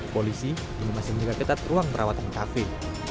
polisi juga masih menjaga ketat ruang perawatan kafe